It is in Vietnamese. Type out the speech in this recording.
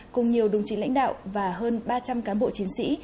cùng nhiều đồng chí lãnh đạo và hơn ba trăm linh cán bộ chiến sĩ